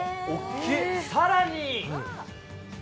さらに。